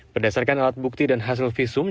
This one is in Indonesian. berdasarkan alat bukti dan hasil visum